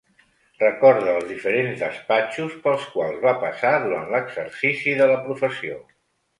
Recorda els diferents despatxos pels quals va passar durant l'exercici de la professió.